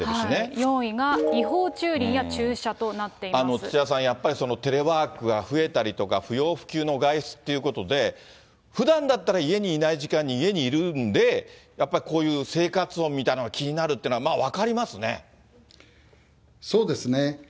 ４位が違法駐輪や駐車となっ土屋さん、やっぱりテレワークが増えたりとか、不要不急の外出っていうことで、ふだんだったら家にいない時間に家にいるんで、やっぱりこういう生活音みたいのが気になるっていうのは、まあ、そうですね。